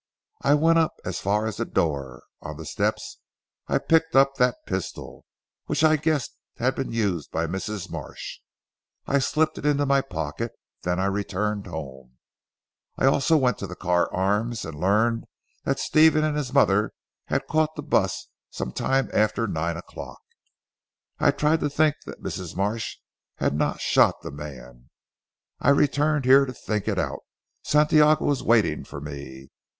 I went up as far as the door. On the steps I picked up that pistol which I guessed had been used by Mrs. Marsh. I slipped it into my pocket. Then I returned home. I went also to the Carr Arms and learned that Stephen and his mother had caught the bus some time after nine o'clock, I tried to think that Mrs. Marsh had not shot the man. I returned here to think it out. Santiago was waiting for me.